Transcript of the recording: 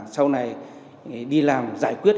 sau này đi làm giải quyết